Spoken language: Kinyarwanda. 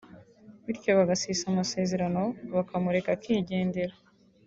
bityo bagasesa amasezerano bakamureka akigendera